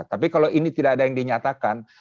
tapi kalau ini tidak ada yang dinyatakan